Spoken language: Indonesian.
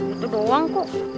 itu doang kok